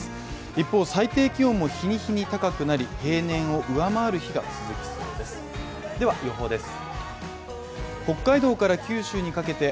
一方最低気温も日に日に高くなり、平年を上回る日が続きそうです